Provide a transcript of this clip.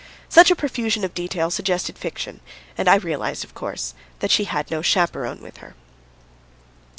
Such a profusion of detail suggested fiction, and I realised, of course, that she had no chaperon with her.